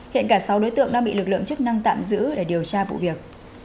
hiện cả sáu đối tượng đang bị lực lượng chức năng tạm giữ để điều tra vụ việc